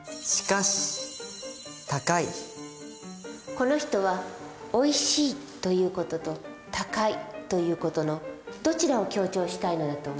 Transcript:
この人は「おいしい」という事と「高い」という事のどちらを強調したいのだと思う？